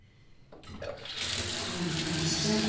こんなにしちゃって。